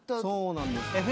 そうなんです。